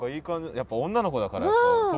やっぱ女の子だから。